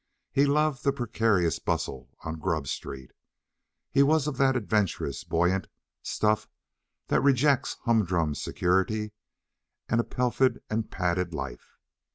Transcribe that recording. He loved the precarious bustle on Grub Street; he was of that adventurous, buoyant stuff that rejects hum drum security and a pelfed and padded life.